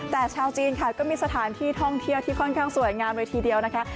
แต่ชาวจีนค่ะก็มีสถานที่ท่องเที่ยวที่ค่อนข้างสวยงามเลยทีเดียวนะคะ